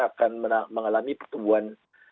akan mengalami pertumbuhan